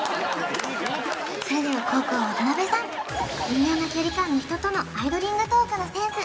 それでは後攻渡辺さん微妙な距離感の人とのアイドリングトークのセンス